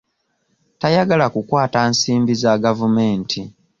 Tayagala kukwata nsimbi za gavumenti.